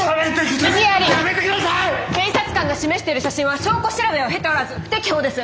検察官が示している写真は証拠調べを経ておらず不適法です。